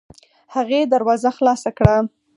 هغې دروازه خلاصه کړه.